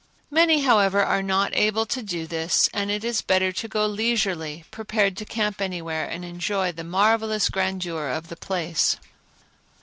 Many, however, are not able to do his, and it is better to go leisurely, prepared to camp anywhere, and enjoy the marvelous grandeur of the place.